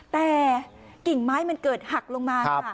แต่กิ่งไม้มันเกิดหักลงมาค่ะ